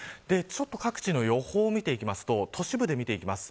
各地の予報を見ていきますと都市部で見ていきます。